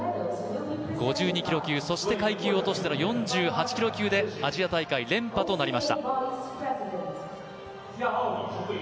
５２キロ級、そして階級を落としての４８キロ級でアジア大会連覇となりました。